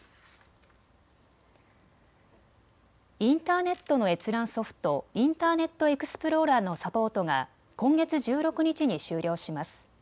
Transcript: インターネットの閲覧ソフト、インターネットエクスプローラーのサポートが今月１６日に終了します。